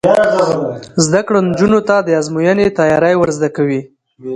زده کړه نجونو ته د ازموینې تیاری ور زده کوي.